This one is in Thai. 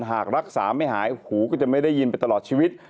หากรักษาไม่หายหูก็จะไม่ได้ยินไปตลอดชีวิต